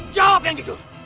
jawab yang jujur